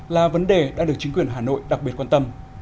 là vấn đề đã được chính quyền hà nội đặc biệt quan tâm